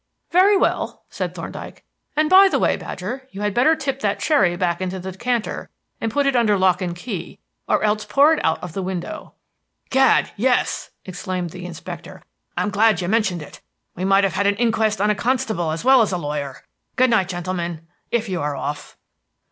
"Very well," said Thorndyke. "And by the way, Badger, you had better tip that sherry back into the decanter and put it under lock and key, or else pour it out of the window." "Gad, yes!" exclaimed the inspector. "I'm glad you mentioned it. We might have had an inquest on a constable as well as a lawyer. Good night, gentlemen, if you are off."